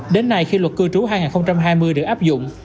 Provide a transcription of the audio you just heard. đến nay khi luật cư trú hai nghìn hai mươi được áp dụng